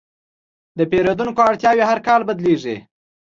د پیرودونکو اړتیاوې هر کال بدلېږي.